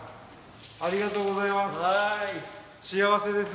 ありがとうございます。